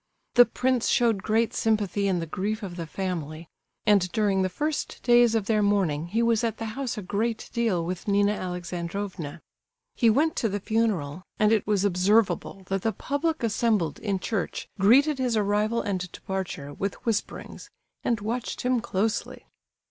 The prince showed great sympathy in the grief of the family, and during the first days of their mourning he was at the house a great deal with Nina Alexandrovna. He went to the funeral, and it was observable that the public assembled in church greeted his arrival and departure with whisperings, and watched him closely.